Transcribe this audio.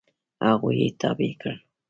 هغوی یې تابع کړل.